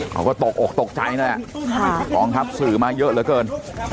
เขาก็ตกอกตกใจนั่นแหละกองทัพสื่อมาเยอะเหลือเกิน